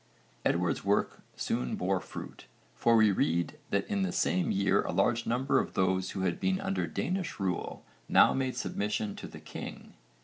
Edward's work soon bore fruit, for we read that in the same year a large number of those who had been under Danish rule now made submission to the king.